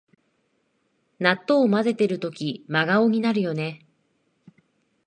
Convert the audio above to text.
納豆をまぜてるとき真顔になるよね